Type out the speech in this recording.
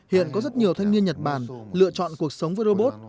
hiện có rất nhiều thanh niên nhật bản lựa chọn cuộc sống với robot